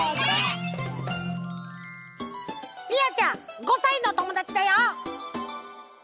みやちゃん５さいのおともだちだよ。